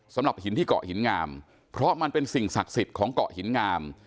สำหรับหินที่เกาะหินงามเพราะมันเป็นสิ่งศักดิ์สิทธิ์ของเกาะหินงาม